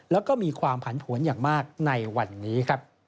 และมีความผันผวนอย่างมากในวันนี้